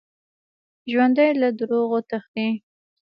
ژوندي له دروغو تښتي